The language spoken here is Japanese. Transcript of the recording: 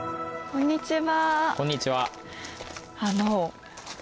こんにちは。